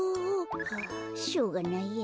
はあしょうがないや。